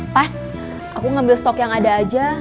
pas aku ngambil stok yang ada aja